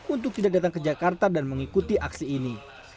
untuk tidak datang ke jakarta dan mengikuti aksi ini